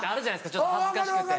ちょっと恥ずかしくて。